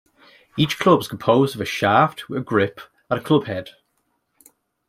Each club is composed of a shaft with a grip and a club head.